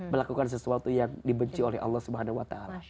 melakukan sesuatu yang dibenci oleh allah swt